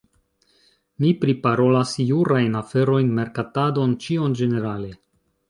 Mi priparolas jurajn aferojn, merkatadon, ĉion ĝenerale